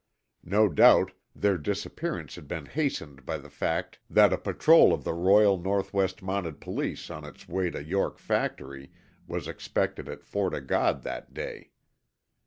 No doubt their disappearance had been hastened by the fact that a patrol of the Royal Northwest Mounted Police on its way to York Factory was expected at Fort O' God that day.